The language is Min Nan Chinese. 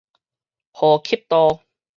呼吸道